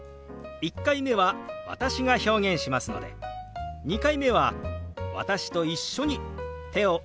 １回目は私が表現しますので２回目は私と一緒に手を動かしてみましょう。